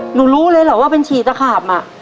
หนูรู้เลยเหรอว่าเป็นฉี่ตะขาบ